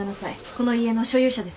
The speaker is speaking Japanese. この家の所有者です。